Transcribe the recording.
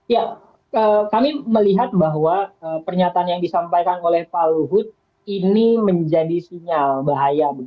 ya kami melihat bahwa pernyataan yang disampaikan oleh pak luhut ini menjadi sinyal bahaya